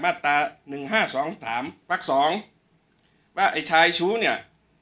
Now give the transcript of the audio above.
มาตราหนึ่งห้าสองสามวักสองว่าไอ้ชายชู้เนี่ย